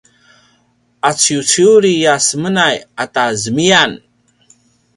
aciuciuri a semenay ata zemiyan!